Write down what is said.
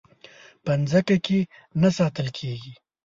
په ځمکه کې نه ساتل کېږي.